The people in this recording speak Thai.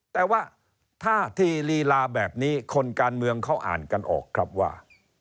แต่ว่าท่าทีลีลาแบบนี้คนการเมืองเขาอ่านกันออกครับว่า